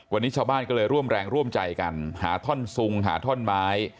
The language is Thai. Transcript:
วันนี้ชาวบ้านก็เลยร่วมแรงร่วมใจกันหาท่อนซุงหาท่อนไม้